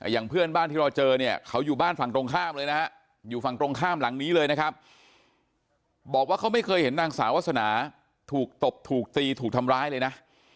อย่างเพื่อนบ้านที่เราเจอเนี่ยเขาอยู่บ้านฝั่งตรงข้ามเลยนะฮะอยู่ฝั่งตรงข้ามหลังนี้เลยนะครับบอกว่าเขาไม่เคยเห็นนางสาวาสนาถูกตบถูกตีถูกทำร้ายเลยนะ